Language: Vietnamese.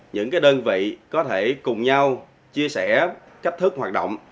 những đơn vị có thể cùng nhau chia sẻ cách thức hoạt động